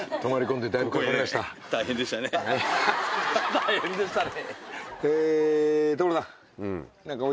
「大変でしたね」。